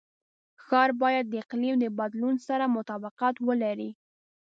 ښار باید د اقلیم د بدلون سره مطابقت ولري.